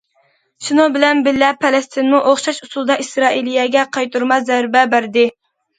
شۇنىڭ بىلەن بىللە، پەلەستىنمۇ ئوخشاش ئۇسۇلدا ئىسرائىلىيەگە قايتۇرما زەربە بەردى.